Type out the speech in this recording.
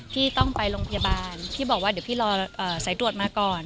พี่ต้องไปโรงพยาบาลพี่บอกว่าเดี๋ยวพี่รอสายตรวจมาก่อน